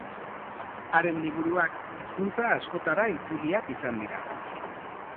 Haren liburuak hizkuntza askotara itzuliak izan dira.